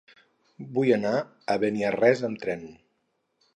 Vull anar a Beniarrés amb tren.